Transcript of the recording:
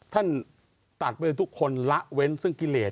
ท่านตัดไปทุกคนละเว้นซึ่งกิเลส